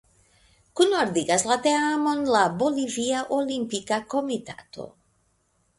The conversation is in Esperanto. Kunordigas la teamon la Bolivia Olimpika Komitato.